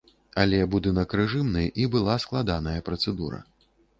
Але будынак рэжымны, і была складаная працэдура.